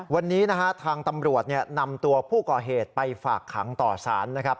วันนี้นะฮะทางตำรวจนำตัวผู้ก่อเหตุไปฝากขังต่อสารนะครับ